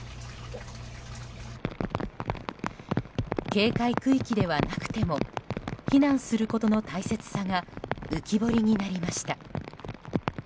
警戒区域ではなくても避難することの大切さが浮き彫りになりました。